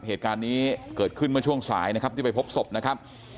เหตุการณ์นี้เกิดขึ้นเมื่อช่วงสายนะครับที่ไปพบศพนะครับ